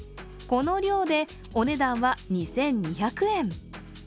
この量でお値段は２２００円。